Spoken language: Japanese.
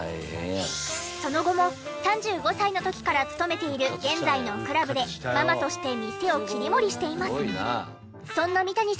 その後も３５歳の時から勤めている現在のクラブでママとして店を切り盛りしています。